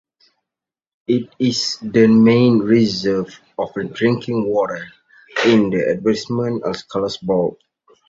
It is the main reserve of drinking water in the arrondissement of Charlesbourg.